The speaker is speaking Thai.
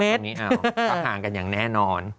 แล้วก็ลับตรงนี้เอ้าพักหางกันอย่างแน่นอน